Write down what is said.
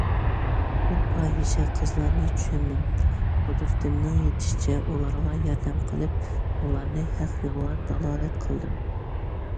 شۇ پاھىشە قىزلارنى چۈشەندىم، قۇدرىتىمنىڭ يېتىشىچە ئۇلارغا ياردەم قىلىپ ئۇلارنى ھەق يولغا دالالەت قىلدىم.